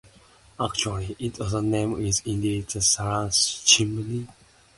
Actually, its other name is indeed the "Saracen chimney".